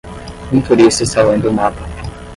Um turista está lendo um mapa.